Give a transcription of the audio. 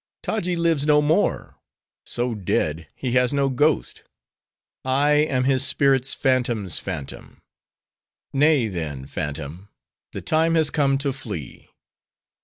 "Taji lives no more. So dead, he has no ghost. I am his spirit's phantom's phantom." "Nay, then, phantom! the time has come to flee."